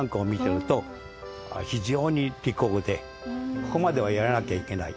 ここまではやらなきゃいけない！